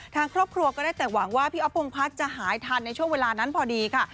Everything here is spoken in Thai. ทางครอบครัวก็ได้แต่หวังว่าพี่อ๊อฟพงพัฒน์จะหายทันในช่วงเวลานั้นพอดีค่ะ